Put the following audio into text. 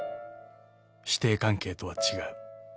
［師弟関係とは違う］